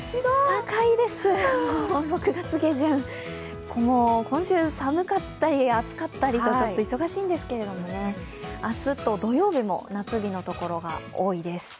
高いです、６月下旬今週、寒かったり暑かったり、ちょっと忙しいんですけれども、明日と土曜日も夏日のところが多いです。